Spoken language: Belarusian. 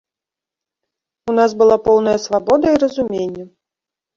У нас была поўная свабода і разуменне.